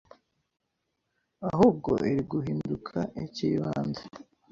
ahubwo iri guhinduka ik’ibanze